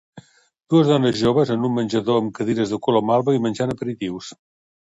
Dues dones joves en un menjador amb cadires de color malva i menjant aperitius.